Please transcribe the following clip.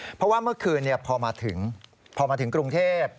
เพราะว่าเมื่อคืนพอมาถึงพอมาถึงกรุงเทพ